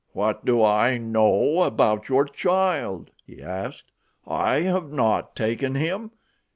"What do I know about your child?" he asked. "I have not taken him.